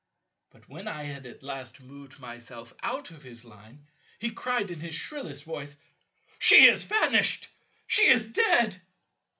But when I had at last moved myself out of his Line, he cried in his shrillest voice, "She is vanished; she is dead."